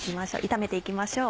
炒めて行きましょう。